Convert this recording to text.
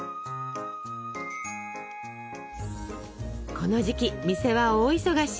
この時期店は大忙し！